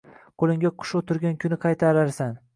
Qo‘lingga qush o‘tirgan kuni qaytararsan